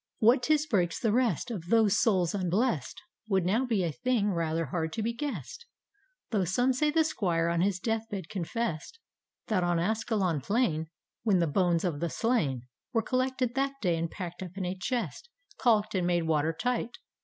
What 'tis breaks the rest Of those souls unblest Would now be a thing rather hard to be guessid, Though some say the Squire, on his death bed, con fess'd That on Ascalon plain, When the bones of the slain Were collected that day, and packed up in a>chest, Caulk'd and made water tight.